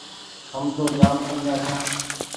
هم تو جآم سمجها ڇآن۔